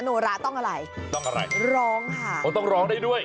โนราต้องอะไรร้องค่ะโอ้ต้องร้องได้ด้วย